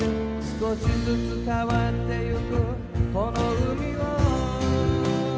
「少しずつ変わってゆくこの海を」